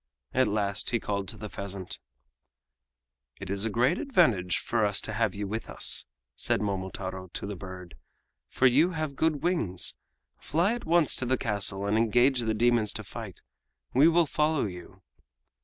At last he called to the pheasant: "It is a great advantage for us to have you with us." said Momotaro to the bird, "for you have good wings. Fly at once to the castle and engage the demons to fight. We will follow you."